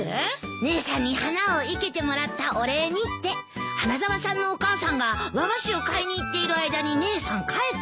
「姉さんに花を生けてもらったお礼に」って花沢さんのお母さんが和菓子を買いに行っている間に姉さん帰ったから。